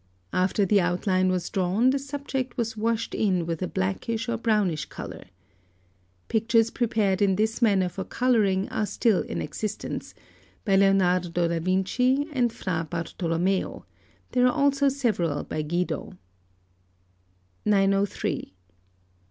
After the outline was drawn, the subject was washed in with a blackish or brownish colour. Pictures prepared in this manner for colouring are still in existence, by Leonardo da Vinci, and Fra Bartolomeo; there are also several by Guido. Note I I. 903.